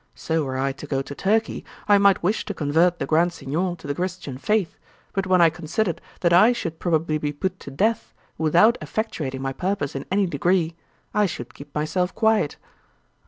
So were I to go to Turkey, I might wish to convert the Grand Signor to the Christian faith; but when I considered that I should probably be put to death without effectuating my purpose in any degree, I should keep myself quiet.'